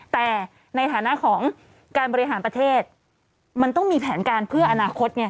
แต่ในฐานะของการบริหารประเทศมันต้องมีแผนการเพื่ออนาคตไง